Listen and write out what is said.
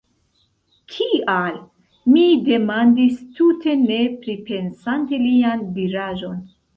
Kial? mi demandis tute ne pripensante lian diraĵon.